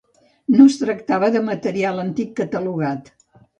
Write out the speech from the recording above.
No es tractava de material antic catalogat.